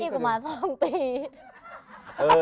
ประมาณ๒ปี